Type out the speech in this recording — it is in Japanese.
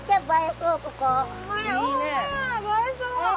映えそう。